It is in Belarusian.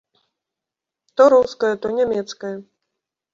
То рускае, то нямецкае.